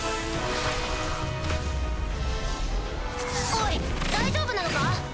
おい大丈夫なのか？